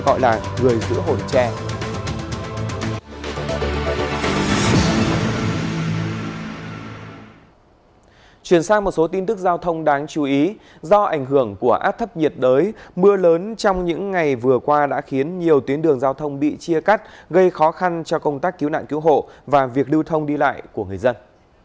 chuyển sang một số tin tức giao thông đáng chú ý do ảnh hưởng của áp thấp nhiệt đới mưa lớn trong những ngày vừa qua đã khiến nhiều tuyến đường giao thông bị chia cắt gây khó khăn cho công tác cứu nạn cứu hộ và việc lưu thông đi lại của người dân